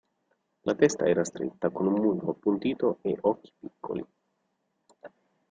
La testa era stretta, con un muso appuntito e occhi piccoli.